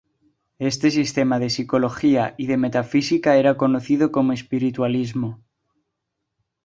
Este sistema de psicología y de metafísica era conocido como "Espiritualismo".